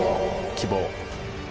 希望。